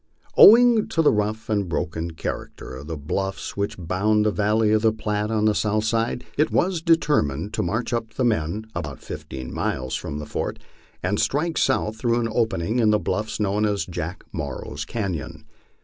Owing to the rough and broken character of the bluffs which bound the valley of the Platte on the south side, it was determined to march up the men about fifteen miles from the fort and strike south through an opening in the bluffs known as Jack Morrow's canon.